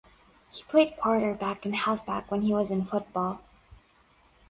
He played quarterback and halfback when he was in football.